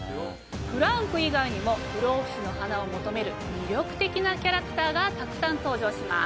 フランク以外にも不老不死の花を求める魅力的なキャラクターがたくさん登場します。